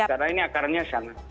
karena ini akarnya sangat